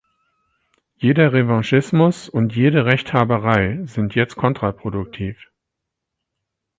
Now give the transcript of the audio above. Jeder Revanchismus und jede Rechthaberei sind jetzt kontraproduktiv.